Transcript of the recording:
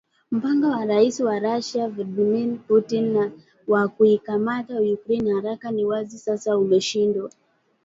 Mpango wa Rais wa Russia, Vladmir Putin wa kuikamata Ukraine haraka ni wazi sasa umeshindwa.